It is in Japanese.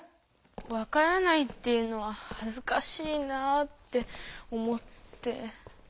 「分からない」って言うのははずかしいなぁって思って。